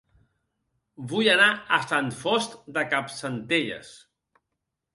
Vull anar a Sant Fost de Campsentelles